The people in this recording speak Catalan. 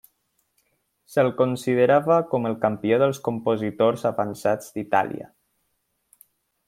Se'l considerava com el campió dels compositors avançats d'Itàlia.